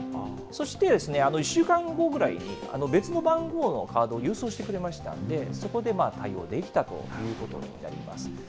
そして、１週間後ぐらいに別の番号のカードを郵送してくれましたんで、そこでまあ、対応できたということになります。